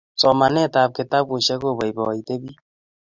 somanetab kitabushek kopoipoite pich